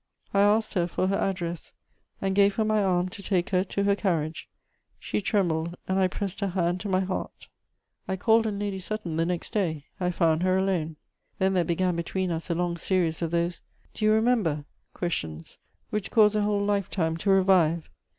I asked her for her address, and gave her my arm to take her to her carriage. She trembled, and I pressed her hand to my heart. I called on Lady Sutton the next day; I found her alone. Then there began between us a long series of those "Do you remember?" questions which cause a whole life time to revive.